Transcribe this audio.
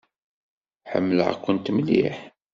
Ḥemmleɣ-kent mliḥ.